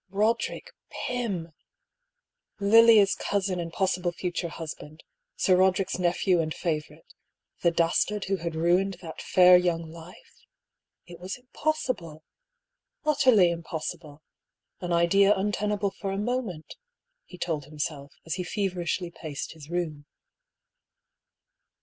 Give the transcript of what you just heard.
Roderick — ^Pym ! Lilia's cousin and possible future husband, Sir Roderick's nephew and favourite, the das tard who ruined that fair young life? It was impos sible. Utterly impossible — an idea untenable for a moment — he told himself, as he feverishly paced his room.